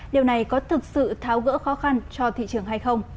điều này có thực sự tháo gỡ khó khăn cho thị trường hay không